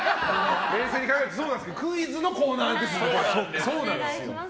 冷静に考えるとそうなんですけどクイズのコーナーですから。